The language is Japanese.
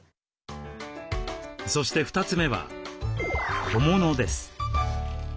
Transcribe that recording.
そして２つ目は小物です。